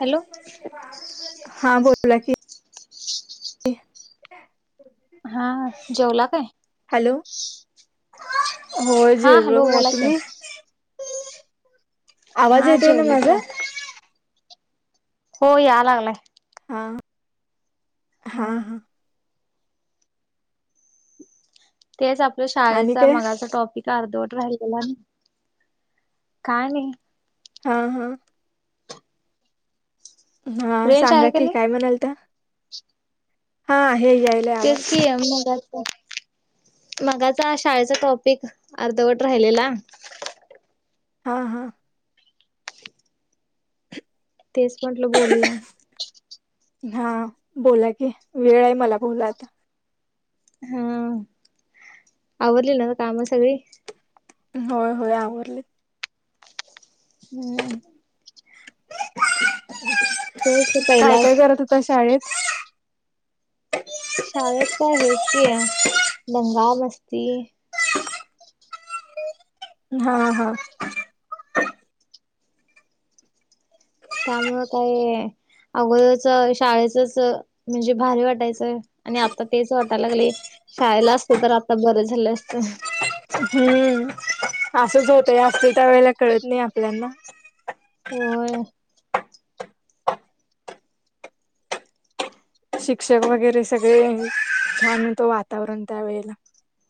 Hello हा बोला की. [inaudible] हा, जेवला काय? हॅलो, हो हा जेवलो हॅलो बघा. बोला की तुम्ही? आवाज हा येतोय ना जेवले माझा? बघा. हो या लागलाय. हां हा हां. तेच आपलं आणि शाळेचा काय मगाचा टॉपिक ते अर्धवट राहिलेला ना. काय नाही. हा हा. हा रेंज सांगा आहे का की नाही? काय म्हणालता? [inaudible] हा आहे. यायलाय आवाज तेच की मी आता [unintelligible] मगाचा शाळेचा टॉपिक अर्धवट राहिलेला. हा हा. तेच म्हटलं बोलूया. हा बोला की वेळ आहे मला बोला आता. हा. आवरलीना काम सगळी? होय होय आवरले. हम्म. तेच काय, पहिला काय करत होता शाळेत? शाळेत काय हेच की दंगा, मस्ती. हा हा. त्यामुळं काय अगोदरच शाळेच अ म्हणजे भारी वाटायचंय आणि आता तेच वाटायला लागलय. शाळेला असत तर आता बर झाल असत. हम्म, असंच होतय असतील त्या वेळेला कळत नाही आपल्याना. होय. शिक्षक वगैरे सगळे छान होत वातावरण त्यावेेळेला.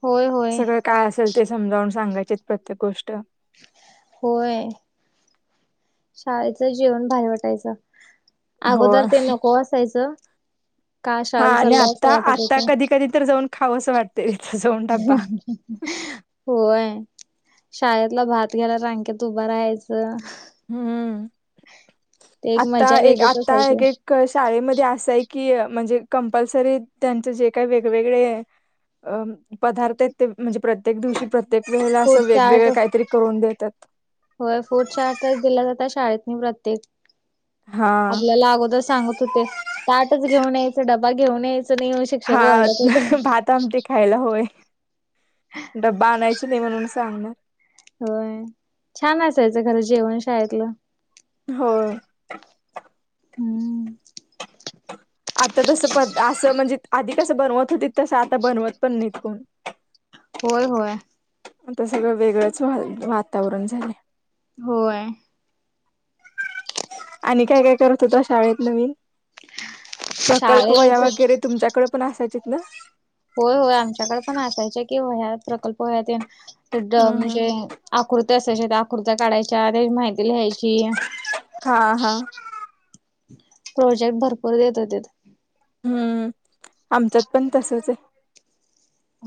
होय, होय. सगळं काय असेल ते समजावून सांगायचेत प्रत्येक गोष्ट. होय. शाळेच जीवन भारी वाटायचं होय अगोदर ते नको असायचं का हा शाळेला आणि चालोय असं आता वाटत आता कधी होत कधी तर जाऊन खावंसं वाटते तिथं जाऊन डब्बा. [inaudible] होय, शाळेतला भात घ्यायला रांकेत उभं राहायच. हम्म, मजा आता एक, वेगळीच आता असायची एक, एक क शाळेमध्ये असं आहे की म्हणजे कंपल्सरी त्यांच जे काही वेगवेगळे अ पदार्थ आहेत ते म्हणजे प्रत्येक दिवशी, प्रत्येक वेळेला फूड असं चार्ट वेगवेगळ काहीतरी करून देतात. होय, फूड चार्टच दिला जातात शाळेतनी प्रत्येक हा आपल्याला अगोदर सांगत होते ताटच घेऊन यायचं डबा घेऊन यायचं नाही येऊ शक हा, भाता, आमटी खायला होय, डबा आनायचा नाही म्हणून सांगण. होय, छान असायचं खर जेवण शाळेतलं. हो. हम्म. आता कस प असं म्हणजे आधी तस बनवत होते तसं आता बनवत पण नाहीत कोण. होय, होय. आता सगळं वेगळंच वातावरण झालय. होय. आणि काय, काय करत होता शाळेत नवीन? प्रकल्प वह्या शाळेत वगैरे तुमच्याकडे पण असायचेत ना? होय, होय आमच्याकडे पण असायच कि वह्या प्रकल्प होय ते हम्म हम्म म्हणजे आकृती असायच्या आकृत्या काढायच्या त्या माहिती लिहायची हा हा ची [inaudible] प्रोजेक्ट भरपूर देत होते. हम्म आमच्यात पण तसचंय.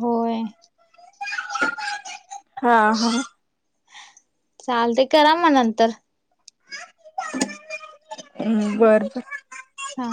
होय. हा हा. चालते करा मग नंतर. हम्म बरं. हा.